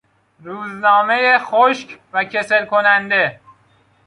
روزنامهی خشک و کسل کننده